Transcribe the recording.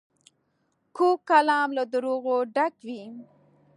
کوږ کلام له دروغو ډک وي